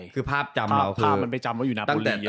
คือภาพจำเราคือ